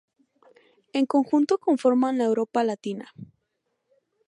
En conjunto conforman la Europa latina.